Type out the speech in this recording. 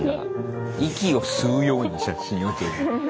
「息を吸うように写真を撮る」。